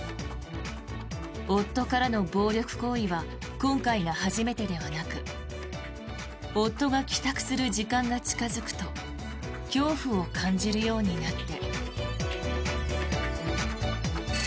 夫からの暴力行為は今回が初めてではなく夫が帰宅する時間が近付くと恐怖を感じるようになって。